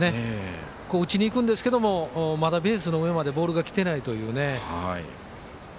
打ちにいくんですけどまだベースの上までボールがきていないというね。